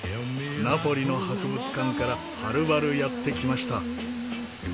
ナポリの博物館からはるばるやって来ました。